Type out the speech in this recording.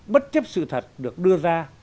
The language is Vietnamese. bất chấp sự thật được đưa ra